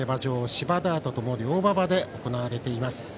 芝、ダートとも良馬場で行われています。